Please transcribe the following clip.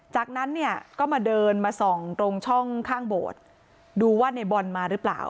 จากนั้นเนี่ยก็มาเดินมาส่องตรงช่องข้างโบสถ์ดูว่าในบอลมาหรือเปล่า